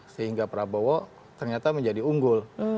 sehingga prabowo ternyata menjadi unggul